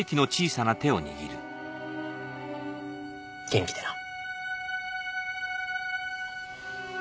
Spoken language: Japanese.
元気でな。